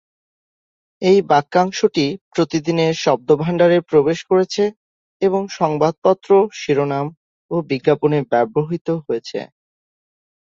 এই বাক্যাংশটি প্রতিদিনের শব্দভাণ্ডারে প্রবেশ করেছে এবং সংবাদপত্র শিরোনাম ও বিজ্ঞাপনে ব্যবহৃত হয়েছে।